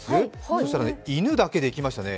そしたらね、犬だけできましたね。